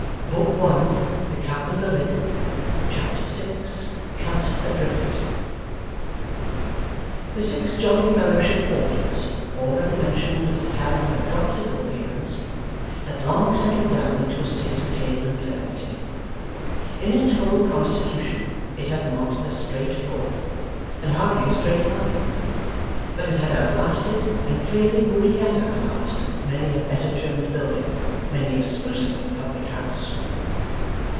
But I'm in for it now!' Chapter 6 CUT ADRIFT The Six Jolly Fellowship Porters, already mentioned as a tavern of a dropsical appearance, had long settled down into a state of hale infirmity. In its whole constitution it had not a straight floor, and hardly a straight line; but it had outlasted, and clearly would yet outlast, many a better trimmed building, many a sprucer public house.